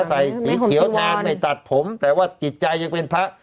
ใส่สีเขียวทานไม่ตัดผมแต่ว่าจิตใจยังเป็นพระ